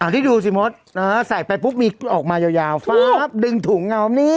ที่ดูสิมดใส่ไปปุ๊บมีออกมายาวฟ้าบดึงถุงเอานี่